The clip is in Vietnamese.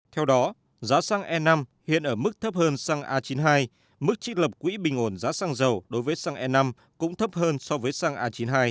theo đó giá xăng e năm hiện ở mức thấp hơn xăng a chín mươi hai mức trích lập quỹ bình ổn giá xăng dầu đối với xăng e năm cũng thấp hơn so với xăng a chín mươi hai